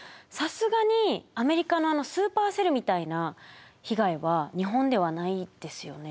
さすがにアメリカのあのスーパーセルみたいな被害は日本ではないですよね。